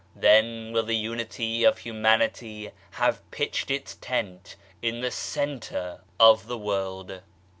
Then will the Unity of Humanity have pitched its tent in the centre of the world."